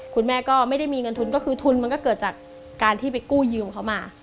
คุณแม่ก็ไม่ได้มีเงินทุนก็คือทุนมันก็เกิดจากการที่ไปกู้ยืมเขามา